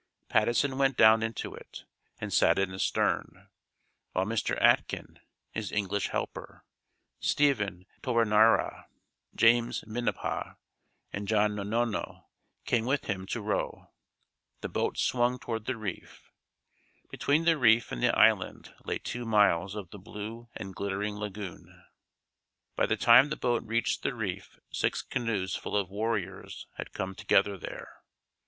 Patteson went down into it, and sat in the stern, while Mr. Atkin (his English helper), Stephen Taroniara, James Minipa, and John Nonono came with him to row. The boat swung toward the reef. Between the reef and the island lay two miles of the blue and glittering lagoon. By the time the boat reached the reef six canoes full of warriors had come together there.